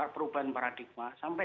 perubahan paradigma sampai